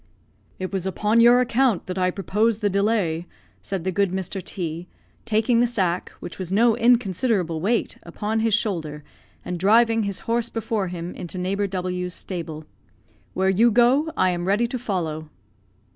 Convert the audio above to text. "It was upon your account that I proposed the delay," said the good Mr. T , taking the sack, which was no inconsiderable weight, upon his shoulder, and driving his horse before him into neighbour W 's stable. "Where you go, I am ready to follow."